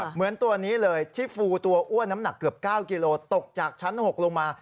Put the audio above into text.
เหมือนตัวนี้เลยที่ฟูตัวอ้วนน้ำหนักเกือบ๙กิโลตกจากชั้น๖ลงมา